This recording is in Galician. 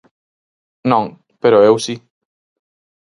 Non, pero eu si.